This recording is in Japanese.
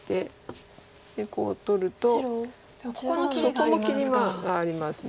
そこも切りがあります。